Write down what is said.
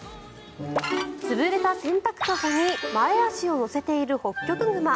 潰れた洗濯籠に前足を乗せているホッキョクグマ。